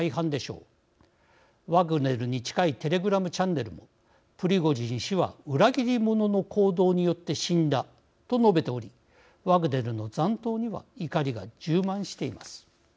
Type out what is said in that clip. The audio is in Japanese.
ワグネルに近いテレグラムチャンネルもプリゴジン氏は裏切り者の行動によって死んだと述べておりワグネルの残党には怒りが充満しています。